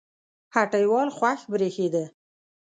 هټۍوال خوښ برېښېده